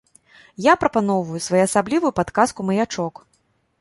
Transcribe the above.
Я прапаноўваю своеасаблівую падказку-маячок.